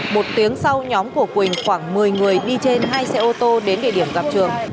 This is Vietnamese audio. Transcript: một tiếng sau nhóm của quỳnh khoảng một mươi người đi trên hai xe ô tô đến địa điểm gặp trường